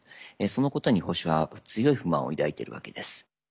そのことに保守派は強い不満を抱いているわけです。